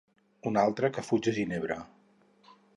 Un altre que fuig a Ginebra!